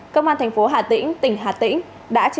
công an thành phố hà tĩnh tỉnh hà tĩnh